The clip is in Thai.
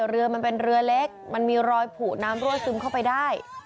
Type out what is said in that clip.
เรือมันเป็นเรือเล็กมันมีรอยผูกน้ำรั่วซึมเข้าไปได้